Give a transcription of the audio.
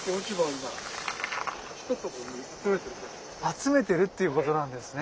集めてるっていうことなんですね。